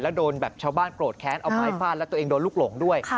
แล้วโดนแบบชาวบ้านโกรธแค้นเอาไม้ฟาดแล้วตัวเองโดนลูกหลงด้วย